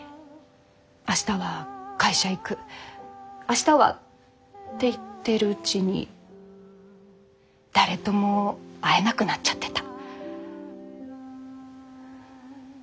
明日は会社行く明日はって言ってるうちに誰とも会えなくなっちゃってた。